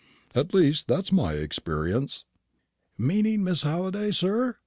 At least, that's my experience." "Meaning Miss Halliday, sir?"